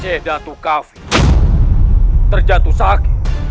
seh dato khafi terjatuh sakit